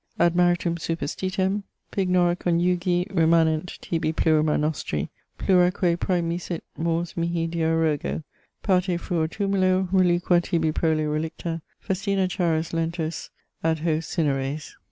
Ad maritum superstitem. Pignora conjugii remanent tibi plurima nostri, Pluraque praemisit mors mihi dira rogo: Parte fruor tumulo, reliqua tibi prole relicta; Festina charos lentus ad hos cineres.